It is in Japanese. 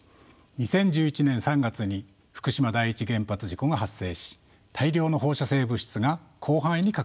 ２０１１年３月に福島第一原発事故が発生し大量の放射性物質が広範囲に拡散しました。